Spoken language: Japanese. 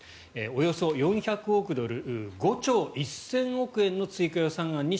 およそ４００億ドル５兆１０００億円の追加予算案に